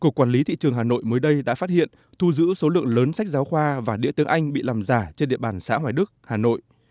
cục quản lý thị trường hà nội mới đây đã phát hiện thu giữ số lượng lớn sách giáo khoa và đĩa tướng anh bị làm giả trên địa bàn xã hoài đức hà nội